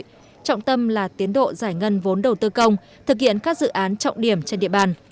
trọng tâm là tiến độ giải ngân vốn đầu tư công thực hiện các dự án trọng điểm trên địa bàn